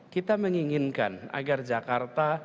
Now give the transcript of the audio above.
kita menginginkan agar jakarta